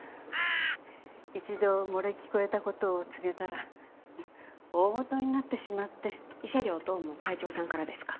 一度漏れ聞こえたことを告げたら大ごとになってしまって慰謝料等も会長さんからですか？